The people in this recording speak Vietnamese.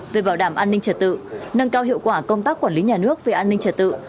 về bảo đảm an ninh trật tự nâng cao hiệu quả công tác quản lý nhà nước về an ninh trật tự